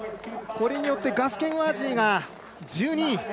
これによってガス・ケンワージーが１２位。